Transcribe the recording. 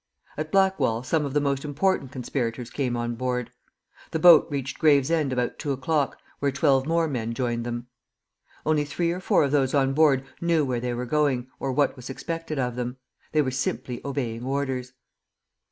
At Blackwall some of the most important conspirators came on board. The boat reached Gravesend about two o'clock, where twelve more men joined them. Only three or four of those on board knew where they were going, or what was expected of them. They were simply obeying orders.